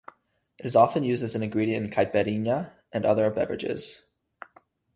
It is often used as an ingredient in caipirinha and other beverages.